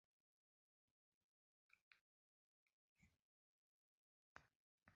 Jo‘ra bobo jilmayib, bosh irg‘adi. Tevarakka g‘olibona ham xushvaqt qaradi.